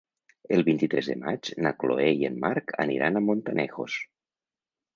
El vint-i-tres de maig na Chloé i en Marc aniran a Montanejos.